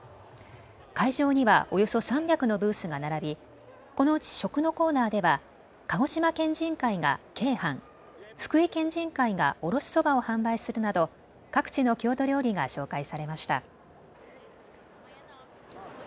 会場にはおよそ３００のブースが並び、このうち食のコーナーでは鹿児島県人会が鶏飯、福井県人会が、おろしそばを販売するなど各地の郷土料理が紹介されました。